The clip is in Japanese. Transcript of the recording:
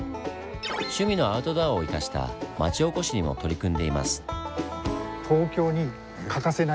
趣味のアウトドアを生かした町おこしにも取り組んでいます。